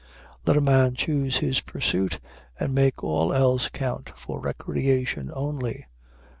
Let a man choose his pursuit, and make all else count for recreation only.